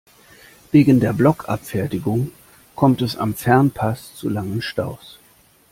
Wegen der Blockabfertigung kommt es am Fernpass zu langen Staus.